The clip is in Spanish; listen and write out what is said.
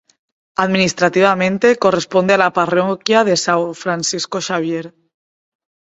Administrativamente, corresponde a la parroquia de São Francisco Xavier.